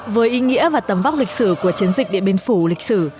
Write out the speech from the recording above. với ý nghĩa và tầm vóc lịch sử của chiến dịch điện biên phủ lịch sử